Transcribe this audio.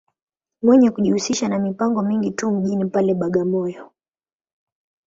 Mwenye kujihusisha ma mipango mingi tu mjini pale, Bagamoyo.